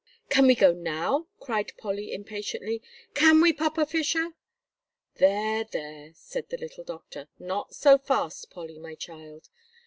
"Can we go now?" cried Polly, impatiently. "Can we, Papa Fisher?" "There, there," said the little doctor, "not so fast, Polly, my child.